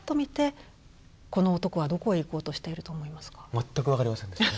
全く分かりませんでしたね。